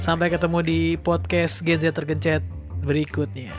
sampai ketemu di podcast gen z tergencet berikutnya